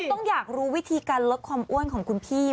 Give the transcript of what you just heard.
ต้องอยากรู้วิธีการลดความอ้วนของคุณพี่